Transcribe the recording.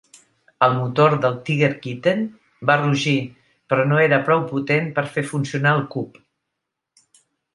El motor del "Tiger Kitten" va rugir però no era prou potent per fer funcionar el "Cub".